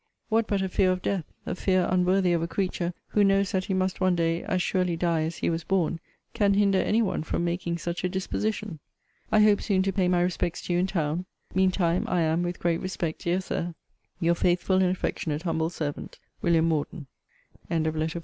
What but a fear of death, a fear unworthy of a creature who knows that he must one day as surely die as he was born, can hinder any one from making such a disposition? I hope soon to pay my respects to you in town. Mean time, I am, with great respect, dear Sir, Your faithful and affectionate humble servant, WM. MORDEN. LETTER XLVII MR.